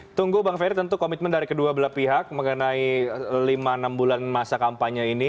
kita tunggu bang ferry tentu komitmen dari kedua belah pihak mengenai lima enam bulan masa kampanye ini